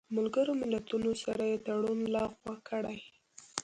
ملګرو ملتونو سره یې تړون لغوه کړی